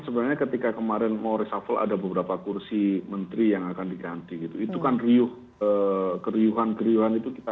sebelumnya ketika kemarin oresa po ada beberapa kursi menteri yang akan diganti gitu itu kan riuh